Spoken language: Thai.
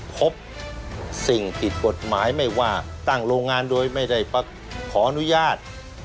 พบสิ่งผิดกฎหมายไม่ว่าตั้งโรงงานโดยไม่ได้ขออนุญาต